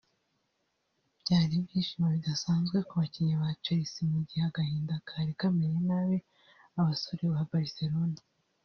Byari ibyishimo bidasanzwe ku bakinnyi ba Chelsea mu gihe agahinda kari kamereye nabi abasore ba Barcelone